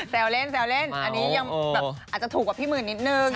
แซวเล่นอันนี้อาจจะถูกกว่าพี่หมื่นนิดนึง